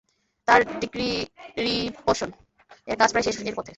তার ডিক্রিরিপশন এর কাজ প্রায় শেষ এর পথে।